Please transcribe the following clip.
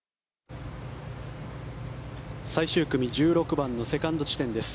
最終組１６番のセカンド地点です。